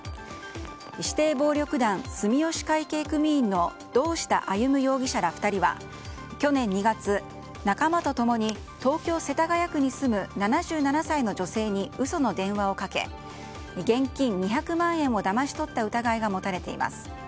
指定暴力団住吉会系組員の堂下歩容疑者ら２人は去年２月、仲間と共に東京・世田谷区に住む７７歳の女性に嘘の電話をかけ現金２００万円をだまし取った疑いが持たれています。